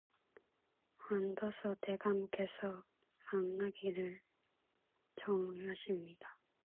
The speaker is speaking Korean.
완도서 대감께서 만나기를 청하십니다